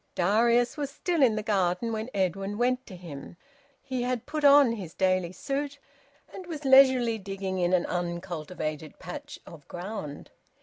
Darius was still in the garden when Edwin went to him. He had put on his daily suit, and was leisurely digging in an uncultivated patch of ground.